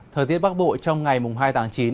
thời tiết bắc bộ trong ngày hai tháng chín